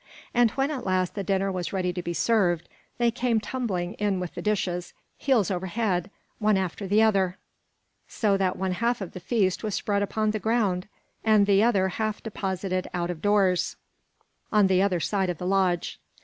And when, at last, the dinner was ready to be served, they came tumbling in with the dishes, heels over head, one after the other, so that one half of the feast was spread upon the ground, and the other half deposited out of doors, on the other side of the lodge.